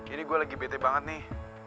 ini gue lagi bete banget nih